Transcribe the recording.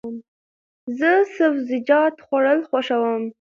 زه سبزیجات خوړل خوښوم.